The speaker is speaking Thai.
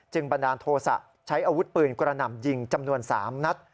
บันดาลโทษะใช้อาวุธปืนกระหน่ำยิงจำนวน๓นัด